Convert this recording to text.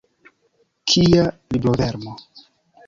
Kia librovermo!